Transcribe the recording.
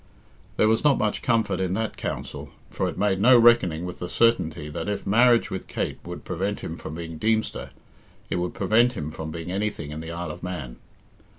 There was not much comfort in that counsel, for it made no reckoning with the certainty that, if marriage with Kate would prevent him from being Deemster, it would prevent him from being anything in the Isle of Man.